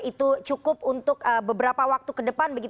itu cukup untuk beberapa waktu ke depan